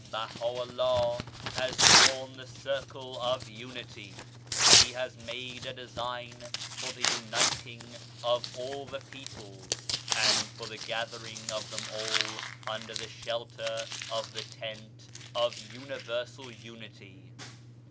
Baha'u'llah has drawn the circle of Unity, he has made a design for the uniting of all the peoples, and for the gathering of them all under the shelter of the Tent of Universal Unity.